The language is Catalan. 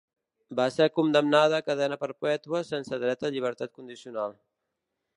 Va ser condemnada a cadena perpètua sense dret a llibertat condicional.